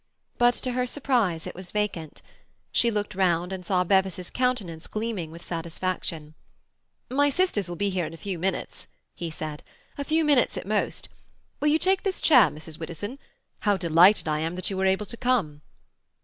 But to her surprise it was vacant. She looked round and saw Bevis's countenance gleaming with satisfaction. "My sisters will be here in a few minutes," he said. "A few minutes at most. Will you take this chair, Mrs. Widdowson? How delighted I am that you were able to come!"